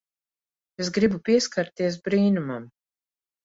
Es gribu pieskarties brīnumam.